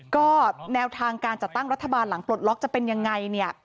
ก็แนวทางการจัดตั้งรัฐบาลหลังปลดล็อกจะเป็นยังไงเนี่ย